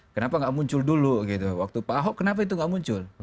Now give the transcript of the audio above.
kenapa nggak muncul dulu gitu waktu pak ahok kenapa itu nggak muncul